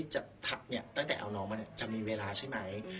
จะทักเนี่ยตั้งแต่เอาน้องมาจะมีเวลาใช่ไหม